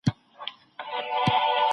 په ژمنه وفا کول مهم دي.